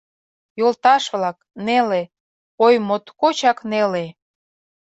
Йолташ-влак, неле, ой, моткочак неле